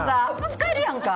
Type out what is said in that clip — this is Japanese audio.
使えるやんか。